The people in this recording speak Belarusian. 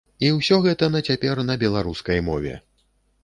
І ўсё гэта на цяпер на беларускай мове!